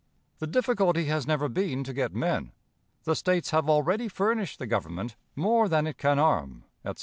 The difficulty has never been to get men. The States have already furnished the Government more than it can arm,' etc.